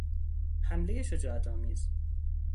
حملهی شجاعتآمیز